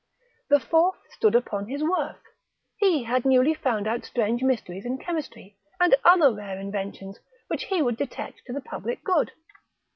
The fourth stood upon his worth, he had newly found out strange mysteries in chemistry, and other rare inventions, which he would detect to the public good.